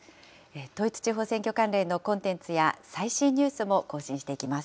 統一地方選挙関連のコンテンツや最新ニュースも更新していきます。